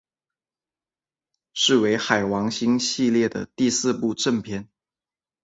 是为海王星系列的第四部正篇。